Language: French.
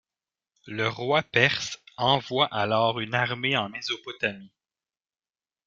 Le roi perse envoie alors une armée en Mésopotamie.